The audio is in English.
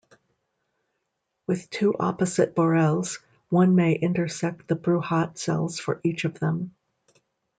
With two opposite Borels one may intersect the Bruhat cells for each of them.